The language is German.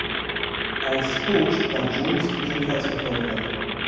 Als Coach war Jones ebenfalls erfolgreich.